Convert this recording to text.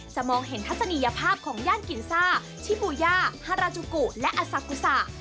มองเห็นทัศนียภาพของย่านกินซ่าชิบูย่าฮาราจุกุและอซากุซะ